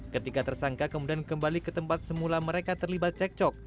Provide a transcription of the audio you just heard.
ketika tersangka kemudian kembali ke tempat semula mereka terlibat cekcok